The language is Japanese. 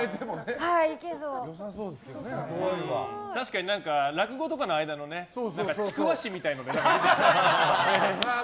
確かに、落語とかの間にちくわ師みたいなので。